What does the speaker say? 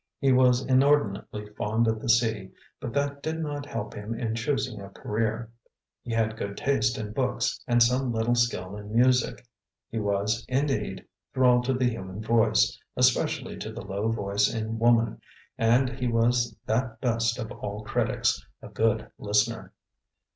He was inordinately fond of the sea, but that did not help him in choosing a career. He had good taste in books and some little skill in music. He was, indeed, thrall to the human voice, especially to the low voice in woman, and he was that best of all critics, a good listener.